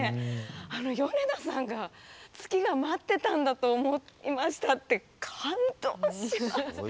あの米田さんが月が待ってたんだと思いましたって感動します。